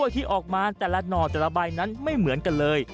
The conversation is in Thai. ที่ออกมาแต่ละหน่อแต่ละใบนั้นไม่เหมือนกันเลย